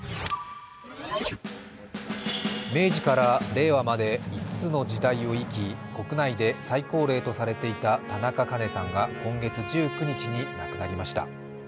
明治から令和まで５つの時代を生き国内で最高齢とされていた田中カ子さんが今月１９日に亡くなりました。